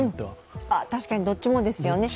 確かにどっちもですよね。